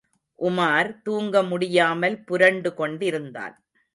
உமார் தூங்க முடியாமல் புரண்டு கொண்டிருந்தான்.